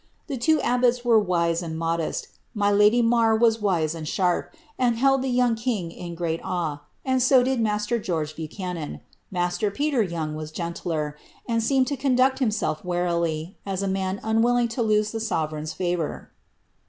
The two abbots were wise and modest ; my lady Marr was wise and aharp, and held the young king in great awe, and so did master George Bachanan. Master Peter Toung was gentler, and seemed to conduct himaelf warily, as a man unwilling to lose the sovereign's favour."